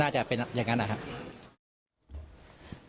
จะเป็นอย่างนั้นนะครับ